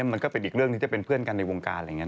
มันก็เป็นอีกเรื่องที่จะเป็นเพื่อนกันในวงการอะไรอย่างนี้